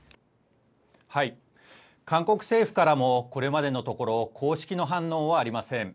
韓国政府からも、これまでのところ公式の反応はありません。